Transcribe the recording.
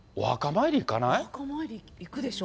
お墓参り行くでしょ。